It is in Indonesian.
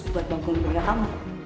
buat bangkungan bengkel kamu